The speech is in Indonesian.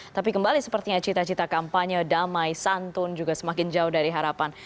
tapi kembali sepertinya cita cita kampanye damai santun juga semakin jauh dari harapan